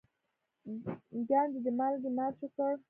ګاندي د مالګې مارچ وکړ.